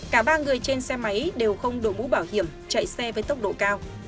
cả ba người trên xe máy đều không đổi mũ bảo hiểm chạy xe với tốc độ cao